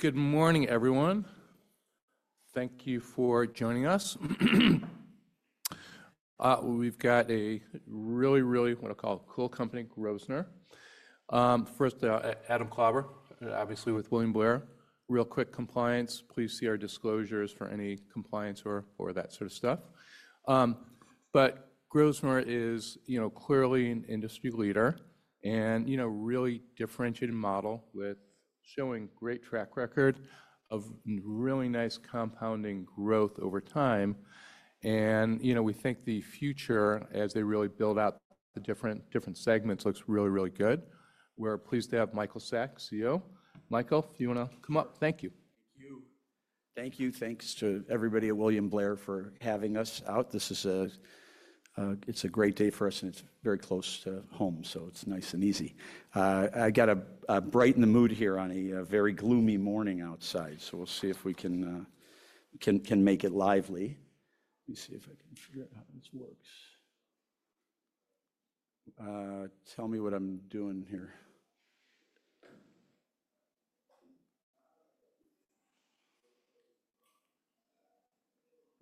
Good morning, everyone. Thank you for joining us. We've got a really, really, what I call a cool company, Grosvenor. First, Adam Klaber, obviously with William Blair. Real quick compliance, please see our disclosures for any compliance or that sort of stuff. Grosvenor is clearly an industry leader and a really differentiated model with showing a great track record of really nice compounding growth over time. We think the future, as they really build out the different segments, looks really, really good. We're pleased to have Michael Sacks, CEO. Michael, do you want to come up? Thank you. Thank you. Thank you. Thanks to everybody at William Blair for having us out. It's a great day for us, and it's very close to home, so it's nice and easy. I got to brighten the mood here on a very gloomy morning outside, so we'll see if we can make it lively. Let me see if I can figure out how this works. Tell me what I'm doing here.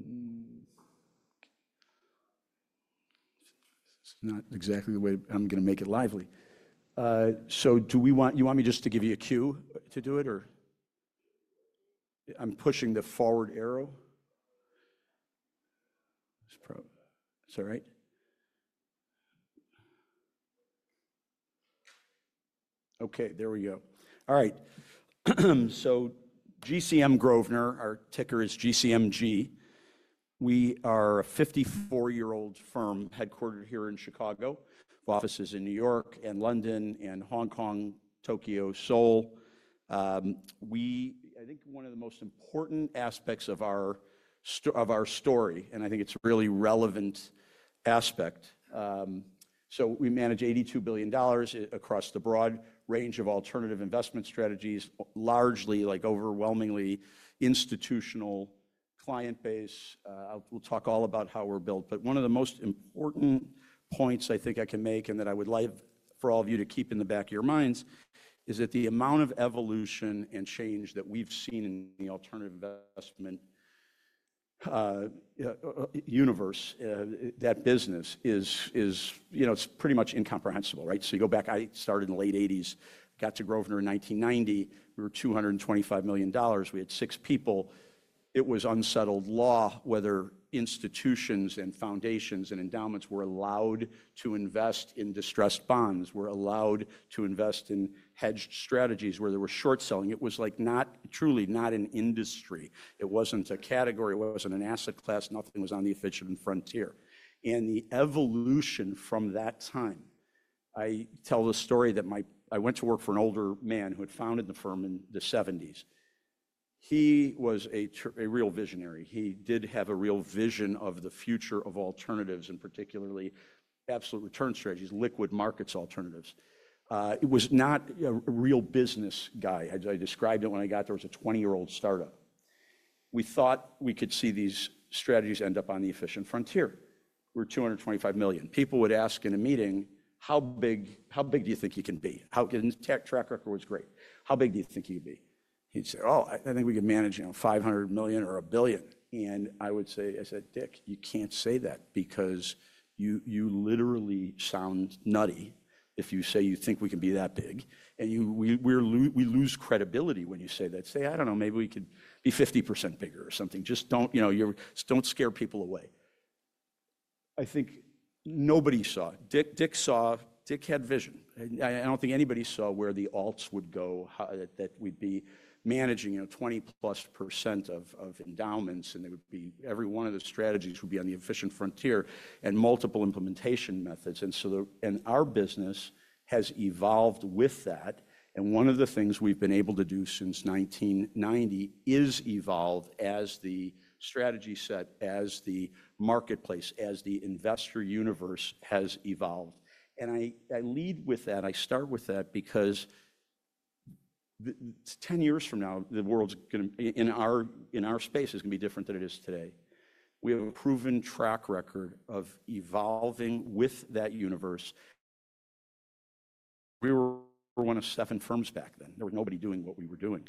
This is not exactly the way I'm going to make it lively. Do we want you want me just to give you a cue to do it, or? I'm pushing the forward arrow. Is that right? Okay, there we go. All right. GCM Grosvenor, our ticker is GCMG. We are a 54-year-old firm headquartered here in Chicago. Offices in New York and London and Hong Kong, Tokyo, Seoul. I think one of the most important aspects of our story, and I think it's a really relevant aspect. We manage $82 billion across the broad range of alternative investment strategies, largely overwhelmingly institutional client base. We'll talk all about how we're built. One of the most important points I think I can make and that I would like for all of you to keep in the back of your minds is that the amount of evolution and change that we've seen in the alternative investment universe, that business, it's pretty much incomprehensible. You go back, I started in the late 1980s, got to Grosvenor in 1990. We were $225 million. We had six people. It was unsettled law whether institutions and foundations and endowments were allowed to invest in distressed bonds, were allowed to invest in hedged strategies where there was short selling. It was truly not an industry. It was not a category. It was not an asset class. Nothing was on the efficient frontier. The evolution from that time, I tell the story that I went to work for an older man who had founded the firm in the 1970s. He was a real visionary. He did have a real vision of the future of alternatives, and particularly absolute return strategies, liquid markets alternatives. He was not a real business guy. I described it when I got there. It was a 20-year-old startup. We thought we could see these strategies end up on the efficient frontier. We were $225 million. People would ask in a meeting, "How big do you think you can be?" Track record was great. How big do you think you can be?" He'd say, "Oh, I think we can manage $500 million or a billion." And I would say, "Dick, you can't say that because you literally sound nutty if you say you think we can be that big. And we lose credibility when you say that. Say, I don't know, maybe we could be 50% bigger or something. Just don't scare people away." I think nobody saw. Dick saw. Dick had vision. I don't think anybody saw where the alts would go, that we'd be managing 20-plus % of endowments, and every one of the strategies would be on the efficient frontier and multiple implementation methods. Our business has evolved with that. One of the things we've been able to do since 1990 is evolve as the strategy set, as the marketplace, as the investor universe has evolved. I lead with that. I start with that because 10 years from now, the world in our space is going to be different than it is today. We have a proven track record of evolving with that universe. We were one of seven firms back then. There was nobody doing what we were doing.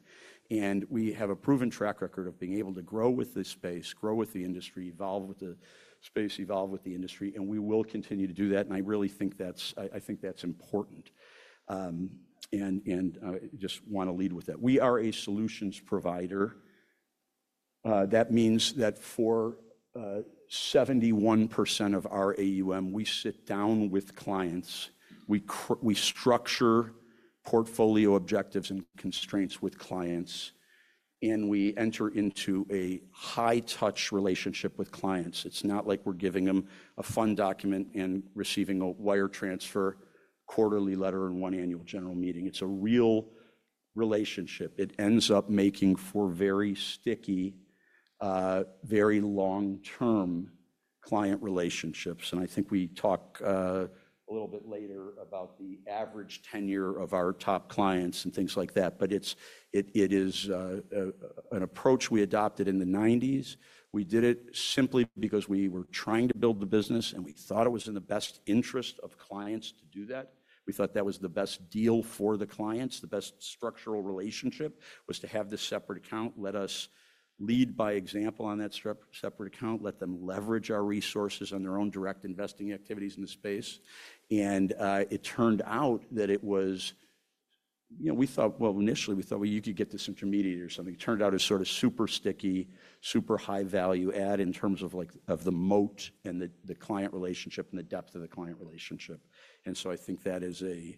We have a proven track record of being able to grow with this space, grow with the industry, evolve with the space, evolve with the industry, and we will continue to do that. I think that's important. I just want to lead with that. We are a solutions provider. That means that for 71% of our AUM, we sit down with clients. We structure portfolio objectives and constraints with clients, and we enter into a high-touch relationship with clients. It's not like we're giving them a fund document and receiving a wire transfer, quarterly letter, and one annual general meeting. It's a real relationship. It ends up making for very sticky, very long-term client relationships. I think we talk a little bit later about the average tenure of our top clients and things like that. It is an approach we adopted in the 90s. We did it simply because we were trying to build the business, and we thought it was in the best interest of clients to do that. We thought that was the best deal for the clients. The best structural relationship was to have this separate account, let us lead by example on that separate account, let them leverage our resources on their own direct investing activities in the space. It turned out that we thought, initially, you could get this intermediary or something. It turned out as sort of super sticky, super high-value add in terms of the moat and the client relationship and the depth of the client relationship. I think that is a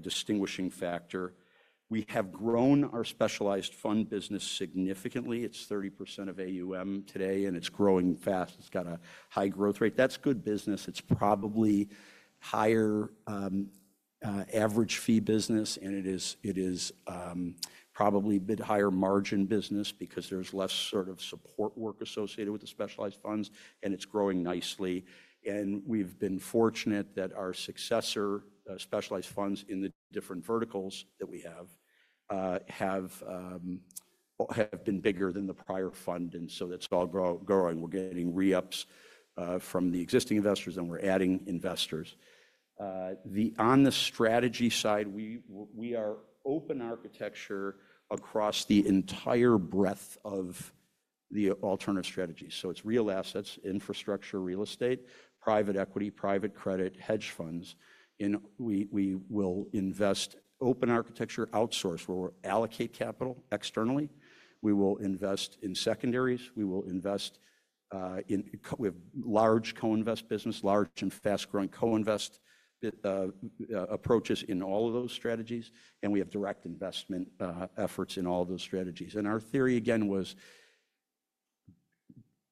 distinguishing factor. We have grown our specialized fund business significantly. It is 30% of AUM today, and it is growing fast. It has a high growth rate. That is good business. It is probably higher average fee business, and it is probably a bit higher margin business because there is less sort of support work associated with the specialized funds, and it is growing nicely. We have been fortunate that our successor specialized funds in the different verticals that we have have been bigger than the prior fund. That is all growing. We're getting re-ups from the existing investors, and we're adding investors. On the strategy side, we are open architecture across the entire breadth of the alternative strategy. So it's real assets, infrastructure, real estate, private equity, private credit, hedge funds. We will invest open architecture outsource where we'll allocate capital externally. We will invest in secondaries. We will invest in large co-invest business, large and fast-growing co-invest approaches in all of those strategies. We have direct investment efforts in all of those strategies. Our theory, again, was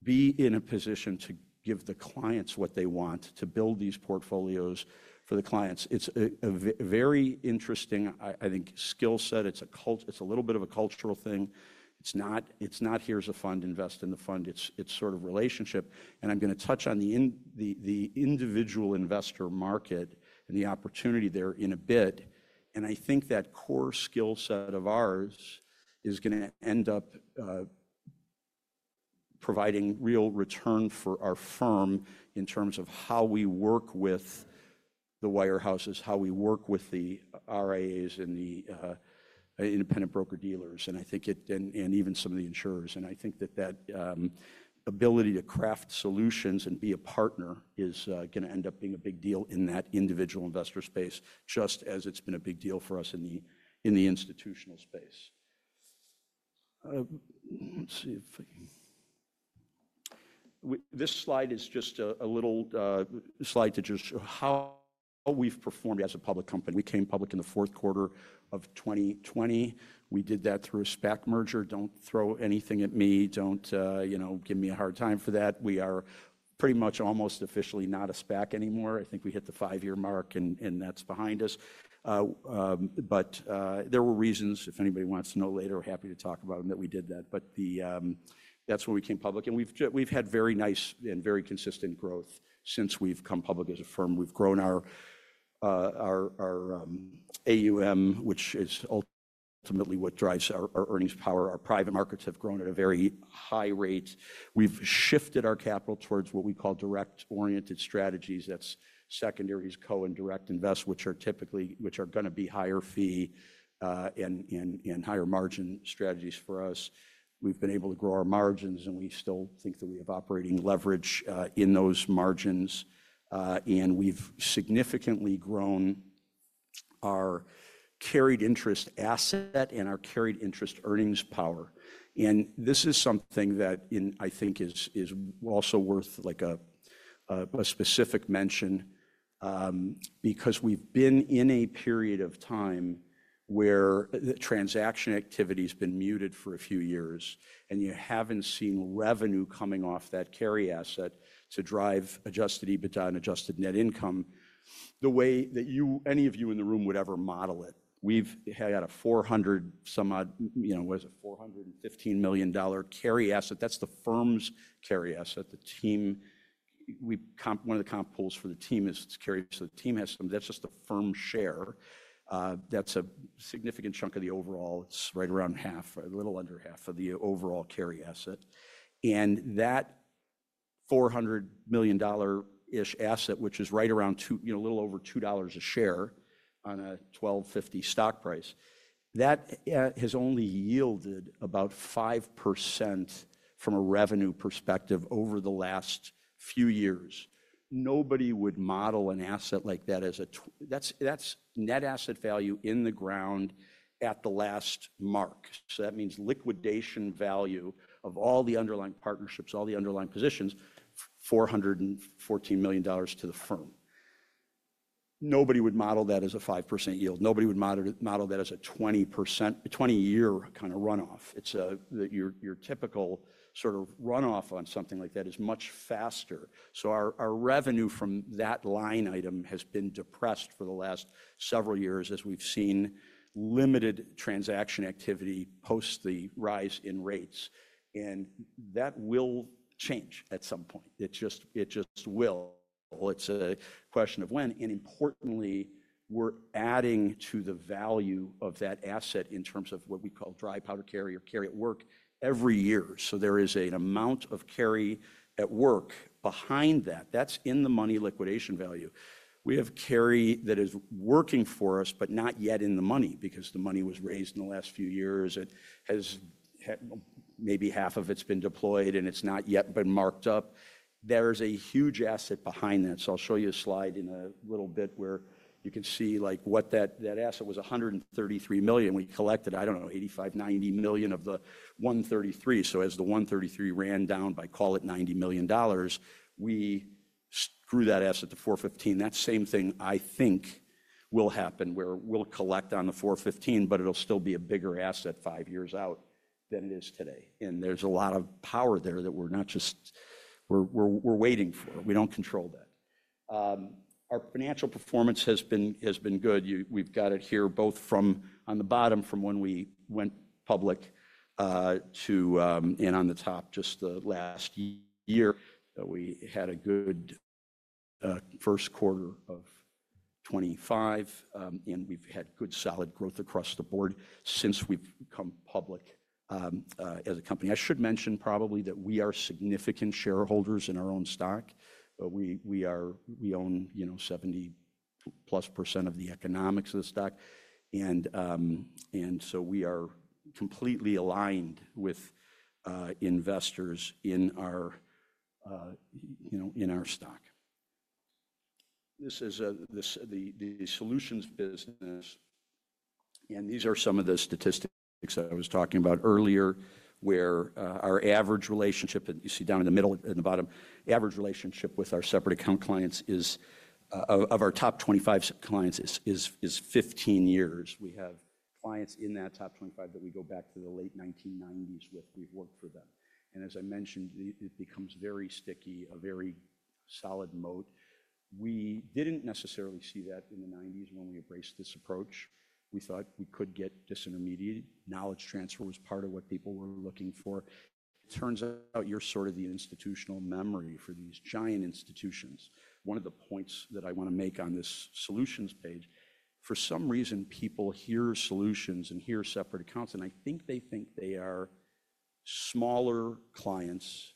be in a position to give the clients what they want to build these portfolios for the clients. It's a very interesting, I think, skill set. It's a little bit of a cultural thing. It's not, "Here's a fund, invest in the fund." It's sort of relationship. I'm going to touch on the individual investor market and the opportunity there in a bit. I think that core skill set of ours is going to end up providing real return for our firm in terms of how we work with the wirehouses, how we work with the RIAs and the independent broker-dealers, and I think even some of the insurers. I think that that ability to craft solutions and be a partner is going to end up being a big deal in that individual investor space, just as it's been a big deal for us in the institutional space. Let's see if this slide is just a little slide to just how we've performed as a public company. We came public in the fourth quarter of 2020. We did that through a SPAC merger. Don't throw anything at me. Don't give me a hard time for that. We are pretty much almost officially not a SPAC anymore. I think we hit the five-year mark, and that's behind us. There were reasons, if anybody wants to know later, happy to talk about them that we did that. That's when we came public. We've had very nice and very consistent growth since we've come public as a firm. We've grown our AUM, which is ultimately what drives our earnings power. Our private markets have grown at a very high rate. We've shifted our capital towards what we call direct-oriented strategies. That's secondaries, co-i and direct invest, which are going to be higher fee and higher margin strategies for us. We've been able to grow our margins, and we still think that we have operating leverage in those margins. We have significantly grown our carried interest asset and our carried interest earnings power. This is something that I think is also worth a specific mention because we have been in a period of time where transaction activity has been muted for a few years, and you have not seen revenue coming off that carry asset to drive adjusted EBITDA and adjusted net income the way that any of you in the room would ever model it. We have had a 400-some, what is it, $415 million carry asset. That is the firm's carry asset. One of the comp pools for the team is carry. The team has some. That is just the firm share. That is a significant chunk of the overall. It is right around half, a little under half of the overall carry asset. That $400 million-ish asset, which is right around a little over $2 a share on a $12.50 stock price, has only yielded about 5% from a revenue perspective over the last few years. Nobody would model an asset like that as a net asset value in the ground at the last mark. That means liquidation value of all the underlying partnerships, all the underlying positions, $414 million to the firm. Nobody would model that as a 5% yield. Nobody would model that as a 20-year kind of runoff. Your typical sort of runoff on something like that is much faster. Our revenue from that line item has been depressed for the last several years as we have seen limited transaction activity post the rise in rates. That will change at some point. It just will. It is a question of when. Importantly, we're adding to the value of that asset in terms of what we call dry powder carry or carry at work every year. There is an amount of carry at work behind that. That is in the money liquidation value. We have carry that is working for us, but not yet in the money because the money was raised in the last few years. Maybe half of it has been deployed, and it has not yet been marked up. There is a huge asset behind that. I'll show you a slide in a little bit where you can see what that asset was, $133 million. We collected, I do not know, $85-$90 million of the $133 million. As the $133 million ran down by, call it, $90 million, we screwed that asset to $415 million. That same thing, I think, will happen where we'll collect on the $415, but it'll still be a bigger asset five years out than it is today. There is a lot of power there that we're not just we're waiting for. We do not control that. Our financial performance has been good. We have it here both on the bottom from when we went public and on the top just the last year. We had a good first quarter of 2025, and we have had good solid growth across the board since we have come public as a company. I should mention probably that we are significant shareholders in our own stock. We own 70-plus % of the economics of the stock. We are completely aligned with investors in our stock. This is the solutions business. These are some of the statistics I was talking about earlier where our average relationship, and you see down in the middle and the bottom, average relationship with our separate account clients is of our top 25 clients is 15 years. We have clients in that top 25 that we go back to the late 1990s with. We have worked for them. As I mentioned, it becomes very sticky, a very solid moat. We did not necessarily see that in the 90s when we embraced this approach. We thought we could get disintermediated. Knowledge transfer was part of what people were looking for. It turns out you are sort of the institutional memory for these giant institutions. One of the points that I want to make on this solutions page, for some reason, people hear solutions and hear separate accounts. I think they think they are smaller clients,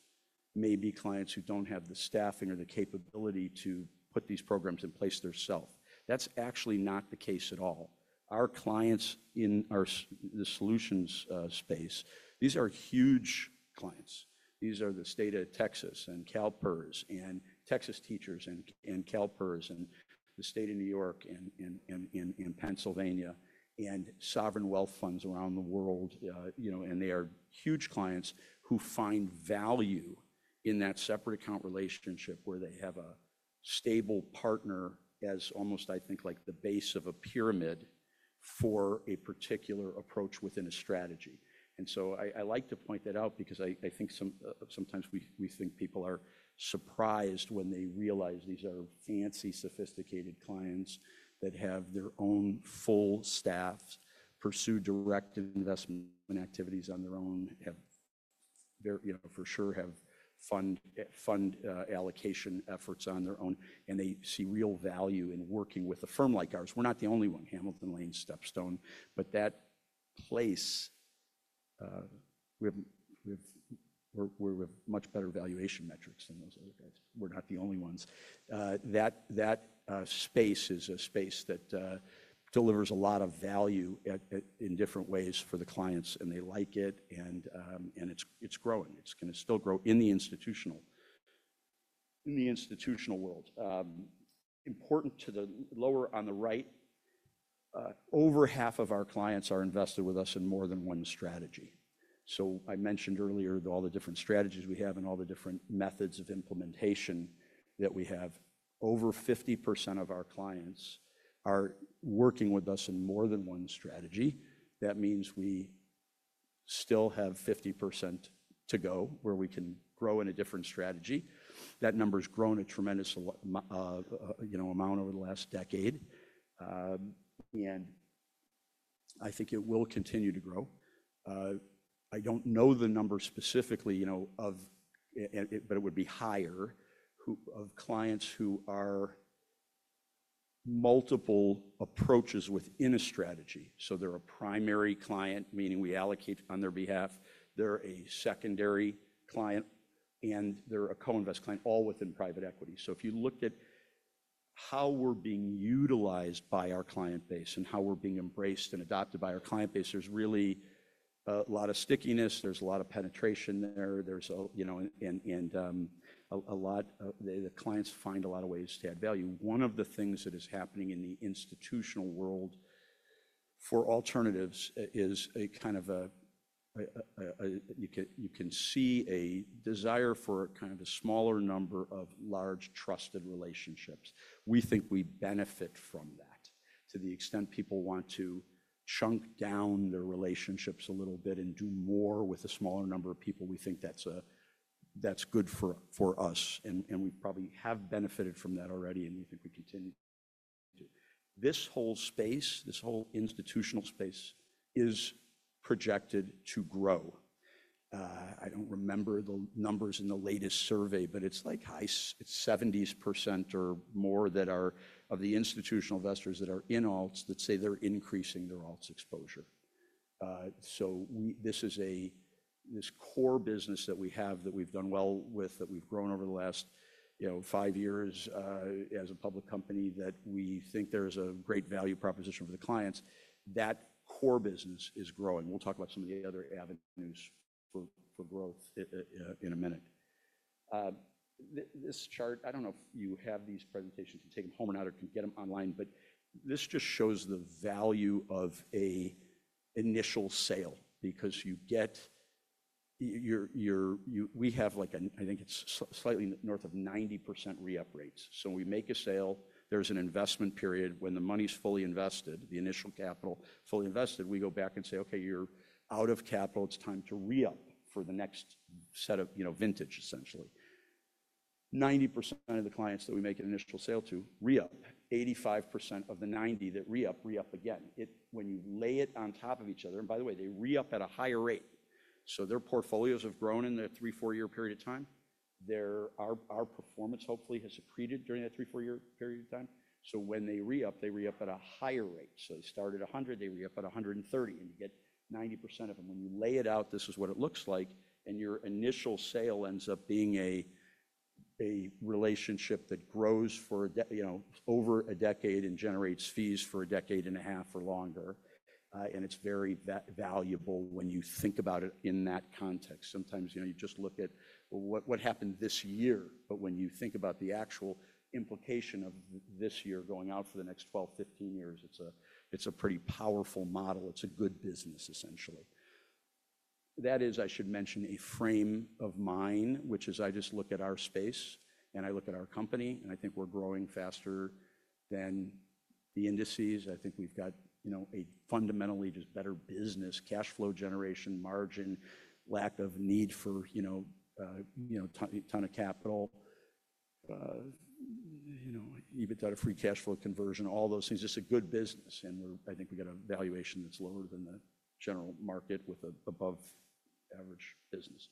maybe clients who don't have the staffing or the capability to put these programs in place themselves. That's actually not the case at all. Our clients in the solutions space, these are huge clients. These are the state of Texas and CalPERS and Texas Teachers and CalPERS and the state of New York and Pennsylvania and sovereign wealth funds around the world. They are huge clients who find value in that separate account relationship where they have a stable partner as almost, I think, like the base of a pyramid for a particular approach within a strategy. I like to point that out because I think sometimes we think people are surprised when they realize these are fancy, sophisticated clients that have their own full staff, pursue direct investment activities on their own, for sure have fund allocation efforts on their own, and they see real value in working with a firm like ours. We're not the only one, Hamilton Lane, StepStone. That place where we have much better valuation metrics than those other guys. We're not the only ones. That space is a space that delivers a lot of value in different ways for the clients, and they like it, and it's growing. It's going to still grow in the institutional world. Important to the lower on the right, over half of our clients are invested with us in more than one strategy. I mentioned earlier all the different strategies we have and all the different methods of implementation that we have. Over 50% of our clients are working with us in more than one strategy. That means we still have 50% to go where we can grow in a different strategy. That number has grown a tremendous amount over the last decade. I think it will continue to grow. I do not know the number specifically, but it would be higher of clients who are multiple approaches within a strategy. They are a primary client, meaning we allocate on their behalf. They are a secondary client, and they are a co-invest client, all within private equity. If you look at how we are being utilized by our client base and how we are being embraced and adopted by our client base, there is really a lot of stickiness. There is a lot of penetration there. The clients find a lot of ways to add value. One of the things that is happening in the institutional world for alternatives is kind of a, you can see a desire for kind of a smaller number of large trusted relationships. We think we benefit from that to the extent people want to chunk down their relationships a little bit and do more with a smaller number of people. We think that's good for us, and we probably have benefited from that already, and we think we continue to. This whole space, this whole institutional space is projected to grow. I do not remember the numbers in the latest survey, but it is like 70% or more of the institutional investors that are in alts that say they are increasing their alts exposure. This is this core business that we have that we've done well with, that we've grown over the last five years as a public company that we think there is a great value proposition for the clients. That core business is growing. We'll talk about some of the other avenues for growth in a minute. This chart, I don't know if you have these presentations. You can take them home and out or can get them online. This just shows the value of an initial sale because you get we have like a, I think it's slightly north of 90% re-up rates. When we make a sale, there's an investment period when the money's fully invested, the initial capital fully invested. We go back and say, "Okay, you're out of capital. It's time to re-up for the next set of vintage," essentially. 90% of the clients that we make an initial sale to re-up. 85% of the 90 that re-up, re-up again. When you lay it on top of each other, and by the way, they re-up at a higher rate. Their portfolios have grown in the three, four-year period of time. Our performance hopefully has accreted during that three, four-year period of time. When they re-up, they re-up at a higher rate. They start at 100, they re-up at 130, and you get 90% of them. When you lay it out, this is what it looks like. Your initial sale ends up being a relationship that grows over a decade and generates fees for a decade and a half or longer. It is very valuable when you think about it in that context. Sometimes you just look at what happened this year, but when you think about the actual implication of this year going out for the next 12-15 years, it's a pretty powerful model. It's a good business, essentially. That is, I should mention, a frame of mind, which is I just look at our space, and I look at our company, and I think we're growing faster than the indices. I think we've got a fundamentally just better business, cash flow generation, margin, lack of need for a ton of capital, EBITDA to free cash flow conversion, all those things. It's a good business. I think we got a valuation that's lower than the general market with above average business.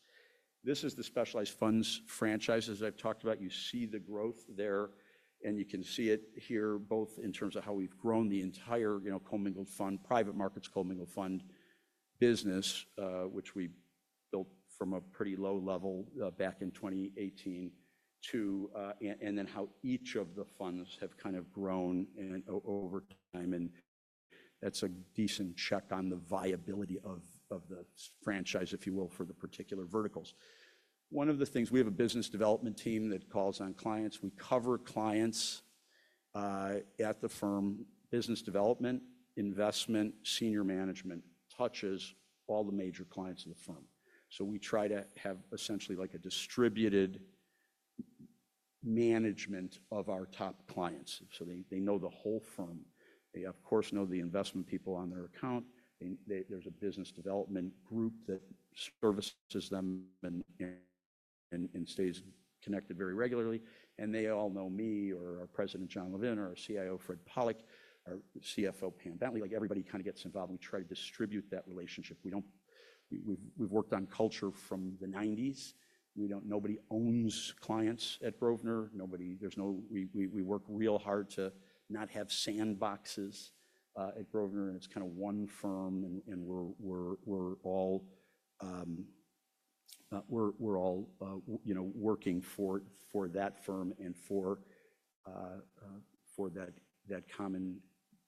This is the specialized funds franchises I've talked about. You see the growth there, and you can see it here both in terms of how we've grown the entire co-mingled fund, private markets co-mingled fund business, which we built from a pretty low level back in 2018, and then how each of the funds have kind of grown over time. That's a decent check on the viability of the franchise, if you will, for the particular verticals. One of the things, we have a business development team that calls on clients. We cover clients at the firm. Business development, investment, senior management touches all the major clients of the firm. We try to have essentially like a distributed management of our top clients. They know the whole firm. They, of course, know the investment people on their account. There's a business development group that services them and stays connected very regularly. They all know me or our President, Jon Levin, or our CIO, Fred Pollock, our CFO, Pam Bentley. Like everybody kind of gets involved. We try to distribute that relationship. We've worked on culture from the 90s. Nobody owns clients at Grosvenor. We work real hard to not have sandboxes at Grosvenor. It is kind of one firm, and we're all working for that firm and for that common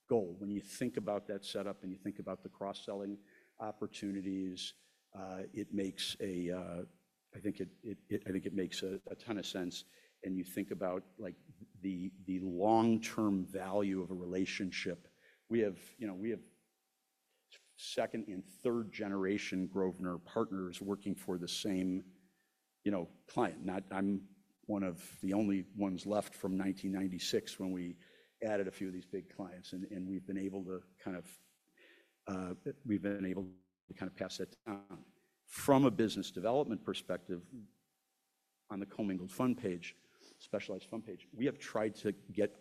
goal. You think about that setup and you think about the cross-selling opportunities, I think it makes a ton of sense. You think about the long-term value of a relationship. We have second and third generation Grosvenor partners working for the same client. I'm one of the only ones left from 1996 when we added a few of these big clients. We have been able to kind of pass that down. From a business development perspective, on the co-mingled fund page, specialized fund page, we have tried to get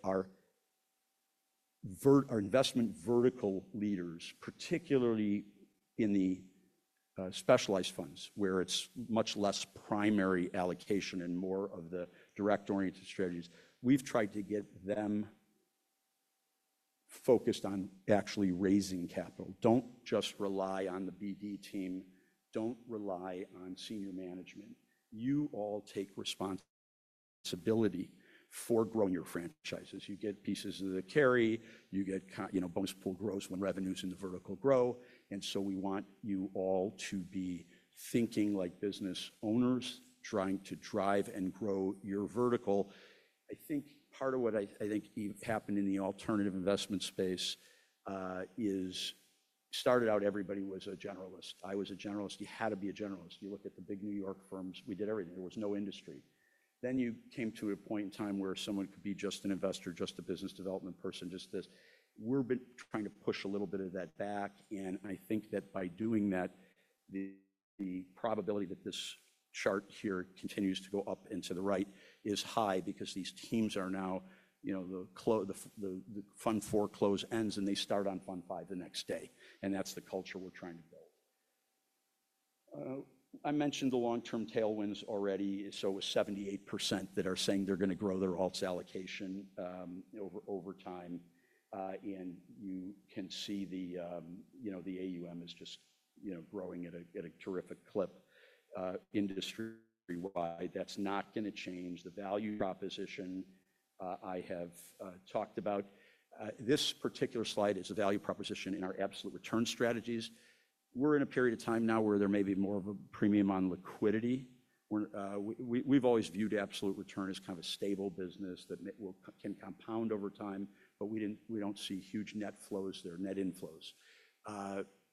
our investment vertical leaders, particularly in the specialized funds where it is much less primary allocation and more of the direct-oriented strategies. We have tried to get them focused on actually raising capital. Do not just rely on the BD team. Do not rely on senior management. You all take responsibility for growing your franchises. You get pieces of the carry. You get bonus pool growth when revenues in the vertical grow. We want you all to be thinking like business owners trying to drive and grow your vertical. I think part of what I think happened in the alternative investment space is it started out everybody was a generalist. I was a generalist. You had to be a generalist. You look at the big New York firms. We did everything. There was no industry. Then you came to a point in time where someone could be just an investor, just a business development person, just this. We have been trying to push a little bit of that back. I think that by doing that, the probability that this chart here continues to go up and to the right is high because these teams are now the fund four close ends, and they start on fund five the next day. That is the culture we are trying to build. I mentioned the long-term tailwinds already. It was 78% that are saying they are going to grow their alts allocation over time. You can see the AUM is just growing at a terrific clip industry-wide. That's not going to change the value proposition I have talked about. This particular slide is a value proposition in our absolute return strategies. We're in a period of time now where there may be more of a premium on liquidity. We've always viewed absolute return as kind of a stable business that can compound over time, but we don't see huge net flows there, net inflows.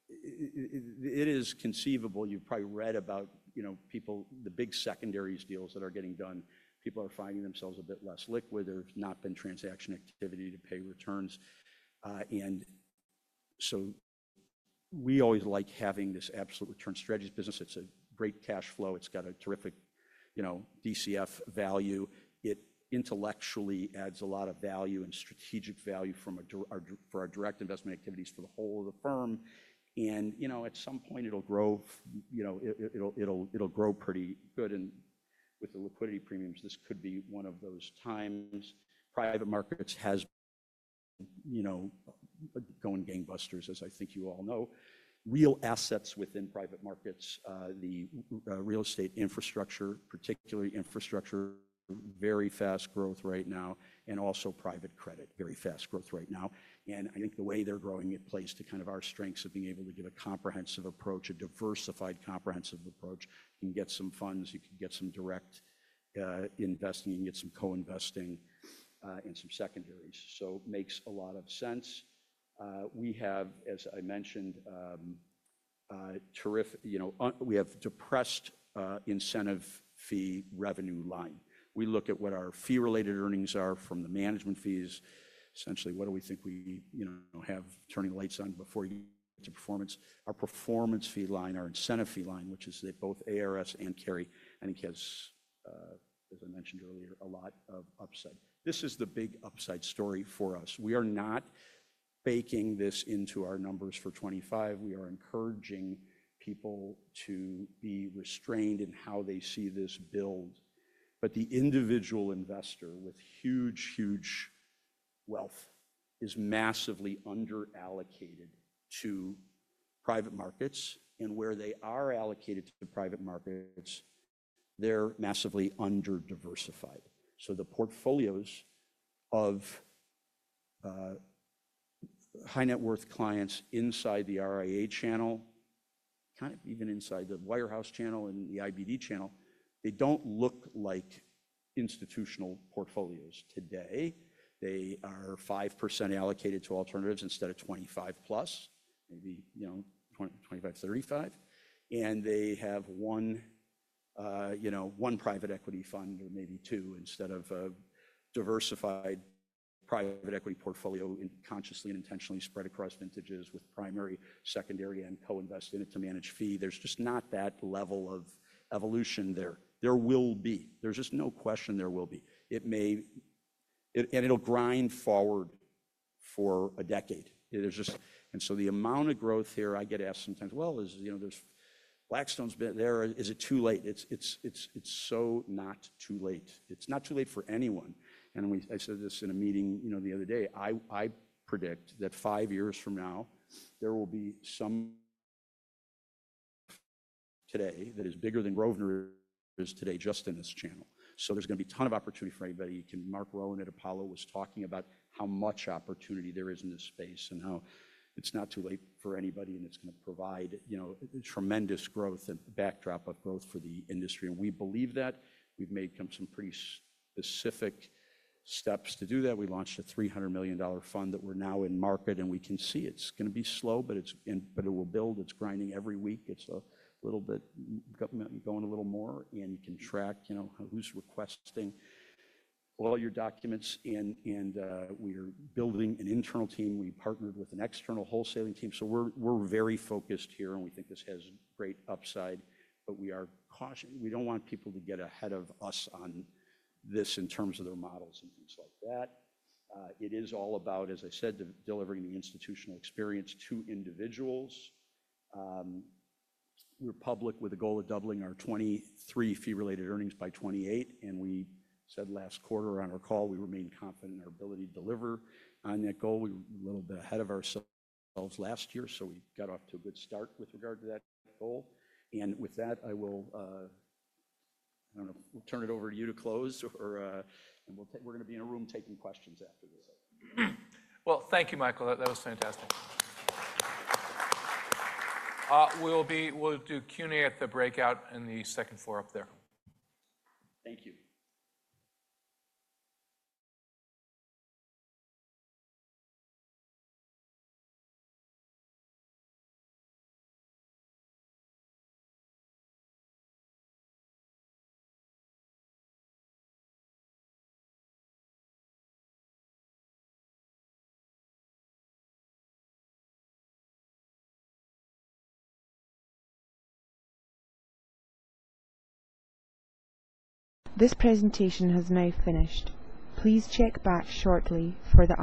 It is conceivable. You've probably read about the big secondaries deals that are getting done. People are finding themselves a bit less liquid. There's not been transaction activity to pay returns. We always like having this absolute return strategies business. It's a great cash flow. It's got a terrific DCF value. It intellectually adds a lot of value and strategic value for our direct investment activities for the whole of the firm. At some point, it'll grow pretty good. With the liquidity premiums, this could be one of those times. Private markets have been going gangbusters, as I think you all know. Real assets within private markets, the real estate, infrastructure, particularly infrastructure, very fast growth right now. Also, private credit, very fast growth right now. I think the way they are growing, it plays to kind of our strengths of being able to give a comprehensive approach, a diversified comprehensive approach. You can get some funds. You can get some direct investing. You can get some co-investing and some secondaries. It makes a lot of sense. We have, as I mentioned, a depressed incentive fee revenue line. We look at what our fee-related earnings are from the management fees. Essentially, what do we think we have turning lights on before you get to performance? Our performance fee line, our incentive fee line, which is both ARS and carry, and it has, as I mentioned earlier, a lot of upside. This is the big upside story for us. We are not baking this into our numbers for 2025. We are encouraging people to be restrained in how they see this build. The individual investor with huge, huge wealth is massively underallocated to private markets. Where they are allocated to private markets, they are massively under-diversified. The portfolios of high-net-worth clients inside the RIA channel, kind of even inside the wirehouse channel and the IBD channel, they do not look like institutional portfolios today. They are 5% allocated to alternatives instead of 25% plus, maybe 25%-35%. They have one private equity fund or maybe two instead of a diversified private equity portfolio consciously and intentionally spread across vintages with primary, secondary, and co-invest in it to manage fee. There is just not that level of evolution there. There will be. There is just no question there will be. It will grind forward for a decade. The amount of growth here, I get asked sometimes, "Well, there is Blackstone's been there. Is it too late?" It is so not too late. It is not too late for anyone. I said this in a meeting the other day. I predict that five years from now, there will be some today that is bigger than Grosvenor is today just in this channel. There is going to be a ton of opportunity for anybody. Mark Rowan at Apollo was talking about how much opportunity there is in this space and how it's not too late for anybody, and it's going to provide tremendous growth and backdrop of growth for the industry. We believe that. We've made some pretty specific steps to do that. We launched a $300 million fund that we're now in market, and we can see it's going to be slow, but it will build. It's grinding every week. It's a little bit going a little more, and you can track who's requesting all your documents. We are building an internal team. We partnered with an external wholesaling team. We are very focused here, and we think this has great upside. We do not want people to get ahead of us on this in terms of their models and things like that. It is all about, as I said, delivering the institutional experience to individuals. We are public with a goal of doubling our 2023 fee-related earnings by 2028. And we said last quarter on our call, we remain confident in our ability to deliver on that goal. We were a little bit ahead of ourselves last year, so we got off to a good start with regard to that goal. With that, I do not know. We will turn it over to you to close, and we are going to be in a room taking questions after this. Thank you, Michael. That was fantastic. We will do Q&A at the breakout in the second floor up there. Thank you. This presentation has now finished. Please check back shortly for the.